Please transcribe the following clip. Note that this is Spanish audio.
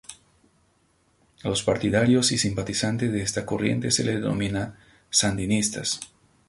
A los partidarios y simpatizantes de esta corriente se les denomina sandinistas.